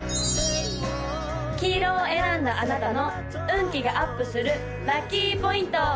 黄色を選んだあなたの運気がアップするラッキーポイント！